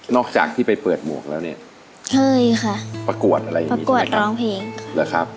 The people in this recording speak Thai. จากที่ไปเปิดหมวกแล้วเนี่ยเคยค่ะประกวดอะไรอย่างนี้ประกวดร้องเพลงนะครับ